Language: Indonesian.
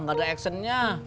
gak ada aksennya